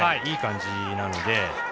いい感じなので。